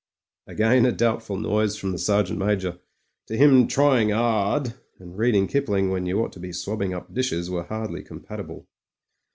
Again a doubtful noise from the Sergeant Major ; to him try ing 'ard and reading Kipling when you ought to be swabbing up dishes were hardly compatible.